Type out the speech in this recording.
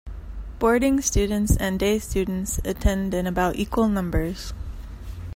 Boarding students and day students attend in about equal numbers.